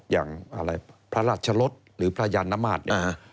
อย่างพระราชรศสร์หรือพระยานน้ำมาสส